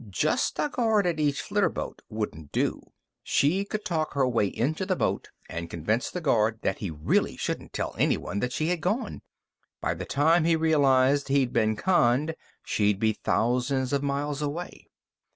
Just a guard at each flitterboat wouldn't do. She could talk her way into the boat and convince the guard that he really shouldn't tell anyone that she had gone. By the time he realized he'd been conned, she'd be thousands of miles away.